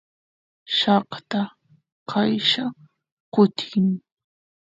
llaqta qaylla kutin